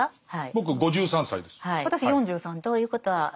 僕５３歳です。